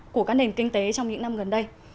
của các nền kinh tế trong những năm gần đây